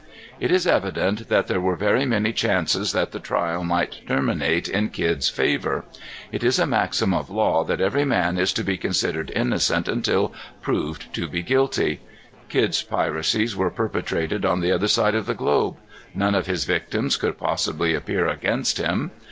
It is evident that there were very many chances that the trial might terminate in Kidd's favor. It is a maxim of law that every man is to be considered innocent until proved to be guilty. Kidd's piracies were perpetrated on the other side of the globe. None of his victims could possibly appear against him.